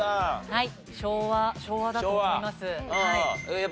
はい。